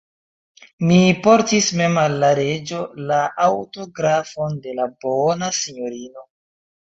Mi portis mem al la reĝo la aŭtografon de la bona sinjorino.